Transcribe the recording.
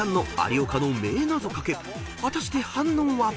［果たして反応は？］